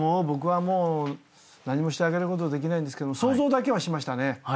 僕はもう何もしてあげることできないんですけど想像だけはしましたね。